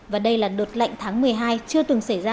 và đây là đột lệnh tháng một mươi hai chưa từng xảy ra